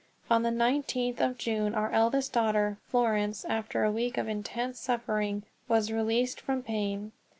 On the nineteenth of June our eldest daughter, Florence, after a week of intense suffering, was released from pain.